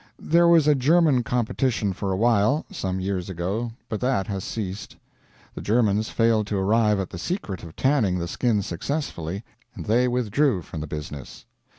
There was a German competition for a while, some years ago, but that has ceased. The Germans failed to arrive at the secret of tanning the skins successfully, and they withdrew from the business.